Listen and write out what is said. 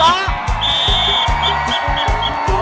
เร็วเร็ว